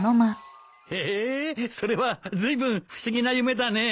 へえそれはずいぶん不思議な夢だねえ。